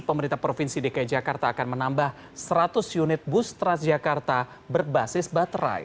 pemerintah provinsi dki jakarta akan menambah seratus unit bus transjakarta berbasis baterai